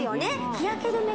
日焼け止め